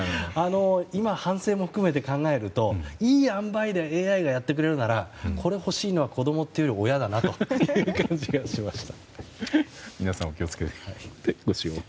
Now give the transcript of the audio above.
今、反省も含めて考えるといい塩梅でＡＩがやってくれるならば欲しいのは子供というより親だなという感じがしました。